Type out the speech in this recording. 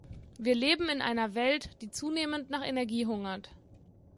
Wir leben in einer Welt, die zunehmend nach Energie hungert.